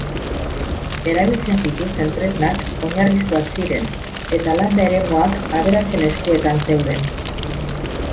Erabiltzen zituzten tresnak oinarrizkoak ziren eta landa-eremuak aberatsen eskuetan zeuden.